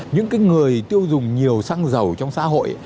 những cái người tiêu dùng nhiều xăng dầu trong xã hội